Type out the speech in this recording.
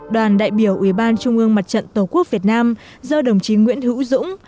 đoàn đại biểu ủy ban trung ương mặt trận tổ quốc việt nam do đồng chí nguyễn hữu dũng